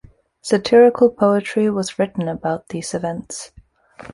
Satirical poetry was written about these events.